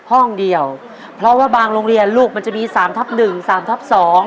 ห้องเดียวเพราะว่าบางโรงเรียนลูกมันจะมี๓ทับ๑๓ทับ๒